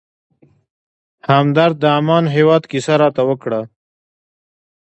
همدرد د عمان هېواد کیسه راته وکړه.